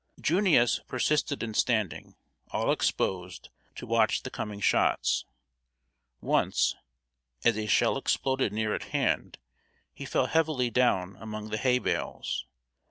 "Junius" persisted in standing, all exposed, to watch the coming shots. Once, as a shell exploded near at hand, he fell heavily down among the hay bales.